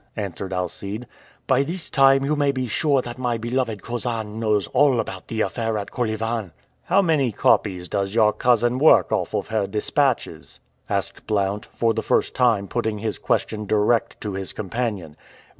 answered Alcide. "By this time you may be sure that my beloved cousin knows all about the affair at Kolyvan." "How many copies does your cousin work off of her dispatches?" asked Blount, for the first time putting his question direct to his companion.